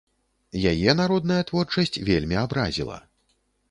Яе народная творчасць вельмі абразіла.